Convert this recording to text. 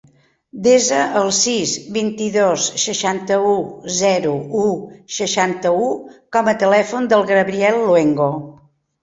Desa el sis, vint-i-dos, seixanta-u, zero, u, seixanta-u com a telèfon del Gabriel Luengo.